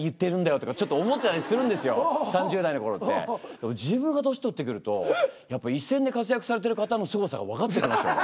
でも自分が年取ってくるとやっぱり一線で活躍されてる方のすごさがわかってきますよね。